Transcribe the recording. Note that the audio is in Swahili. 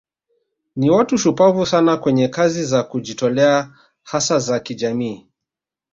Ni watu shupavu sana kwenye kazi za kujitolea hasa za kijamii